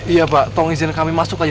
iya pak tolong izin kami masuk aja